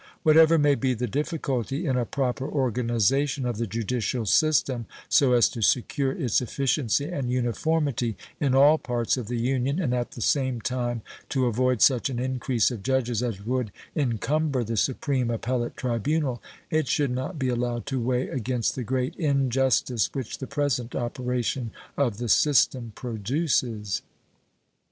What ever may be the difficulty in a proper organization of the judicial system so as to secure its efficiency and uniformity in all parts of the Union and at the same time to avoid such an increase of judges as would encumber the supreme appellate tribunal, it should not be allowed to weigh against the great injustice which the present operation of the system produces.